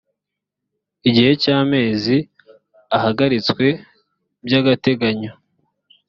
gihe cy amezi ahagaritswe by agateganyo